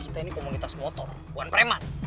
kita ini komunitas motor bukan preman